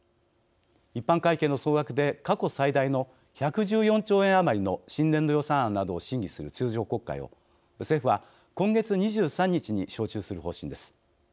一般会計の総額で過去最大の１１４兆円余りの新年度予算案などを審議する通常国会を政府は今月２３日に召集する方針です。